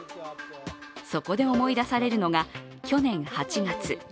そこで思い出されるのが去年８月。